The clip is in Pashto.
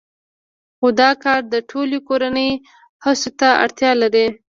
خو دا کار د ټولې کورنۍ هڅو ته اړتیا لري